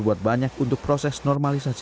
buat kantor mas